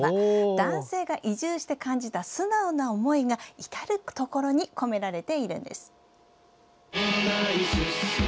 男性が移住して感じた素直な思いが至る所に込められているんです。